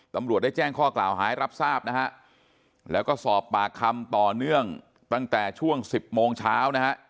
ตำรวจได้แจ้งข้อกล่าวหาให้รับทราบนะฮะแล้วก็สอบปากคำต่อเนื่องตั้งแต่ช่วงสิบโมงเช้านะฮะ